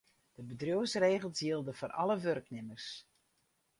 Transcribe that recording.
De bedriuwsregels jilde foar alle wurknimmers.